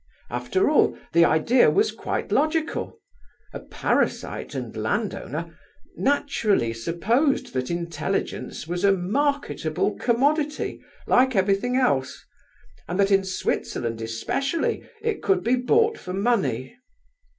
After all, the idea was quite logical; a parasite and landowner naturally supposed that intelligence was a marketable commodity like everything else, and that in Switzerland especially it could be bought for money.